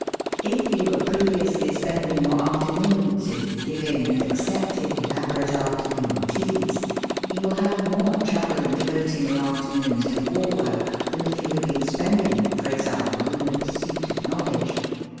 If you were previously spending your aft ernoons in giving and accepting elaborate after noon teas, you will have more trouble in devoting your afternoons to war work than if you had been spending them, for example, in the pursuit of knowledge.